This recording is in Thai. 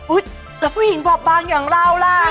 แล้วผู้หญิงบอบบางอย่างเราล่ะ